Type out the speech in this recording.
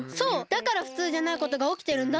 だからふつうじゃないことがおきてるんだって！